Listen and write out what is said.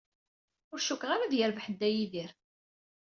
Ur cukkteɣ ara ad yerbeḥ Dda Yidir.